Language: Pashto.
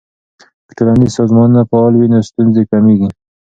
که ټولنیز سازمانونه فعال وي نو ستونزې کمیږي.